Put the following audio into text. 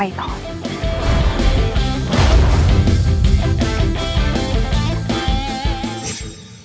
มีบริษัทที่กรุงเทพส่งเมลมาเสนองานที่ทำการตลาดนี้